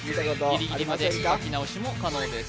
ギリギリまで書き直しも可能です